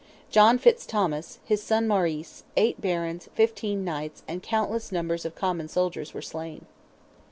John Fitz Thomas, his son Maurice, eight barons, fifteen knights, and "countless numbers of common soldiers were slain."